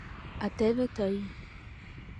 А теве тый...